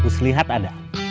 aku selihat ada